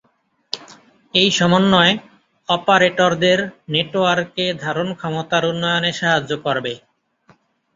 এই সমন্বয় অপারেটরদের নেটওয়ার্কে ধারণ ক্ষমতার উন্নয়নে সাহায্য করবে।